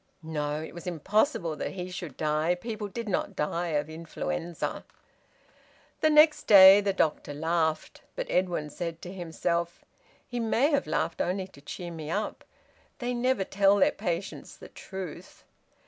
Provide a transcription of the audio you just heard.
No! It was impossible that he should die! People did not die of influenza. The next day the doctor laughed. But Edwin said to himself: "He may have laughed only to cheer me up. They never tell their patients the truth."